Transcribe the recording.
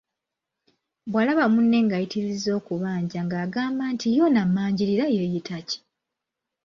Bwalaba munne ngayitirizza okubanja ng'agambanti ye ono ammanjirira yeeyita ki?